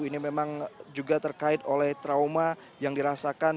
ini memang juga terkait oleh trauma yang dirasakan